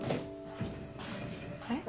あれ？